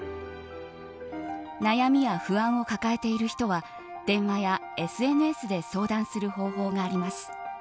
悩みや不安を抱えている人は電話やＳＮＳで相談する方法があります。